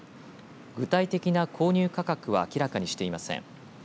具体的な購入価格は明らかにしていません。